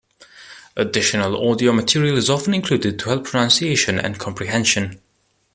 Additional audio material is often included to help pronunciation and comprehension.